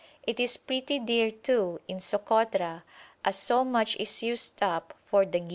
It is pretty dear, too, in Sokotra, as so much is used up for the ghi.